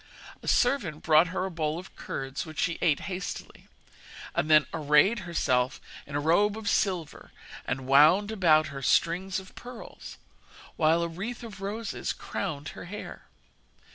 A servant brought her a bowl of curds, which she ate hastily, and then arrayed herself in a robe of silver, and wound about her strings of pearls, while a wreath of roses crowned her hair.